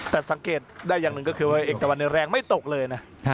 แต่สังเกตได้อย่างหนึ่งก็คือว่าเอกตะวันในแรงไม่ตกเลยนะ